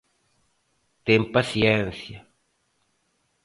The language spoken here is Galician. Ten paciencia!